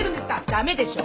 駄目でしょ。